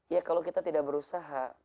ya kalau kita tidak berusaha